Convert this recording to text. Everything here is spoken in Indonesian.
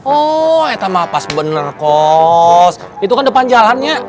oh itu bener kos itu kan depan jalannya